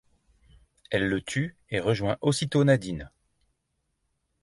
Elle le tue et rejoint aussitôt Nadine.